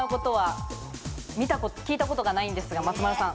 ピンポン聞いたことがないんですが松丸さん。